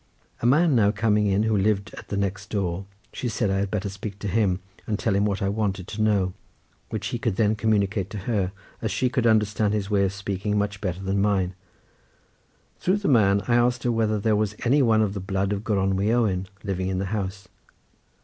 A man now coming in who lived at the next door, she said, I had better speak to him and tell him what I wanted to know, which he could then communicate to her, as she could understand his way of speaking much better than mine. Through the man I asked her whether there was any one of the blood of Gronwy Owen living in the house.